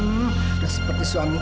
udah seperti suami